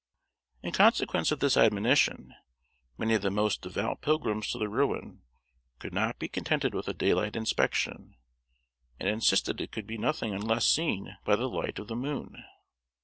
In consequence of this admonition, many of the most devout pilgrims to the ruin could not be contented with a daylight inspection, and insisted it could be nothing unless seen by the light of the moon.